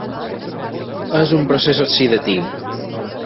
És un procés oxidatiu.